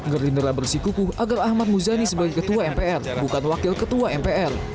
gerindra bersikuku agar ahmad muzani sebagai ketua mpr bukan wakil ketua mpr